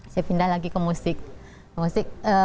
saya pindah lagi ke musik